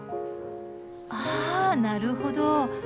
あなるほど。